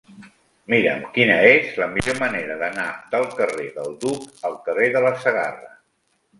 Mira'm quina és la millor manera d'anar del carrer del Duc al carrer de la Segarra.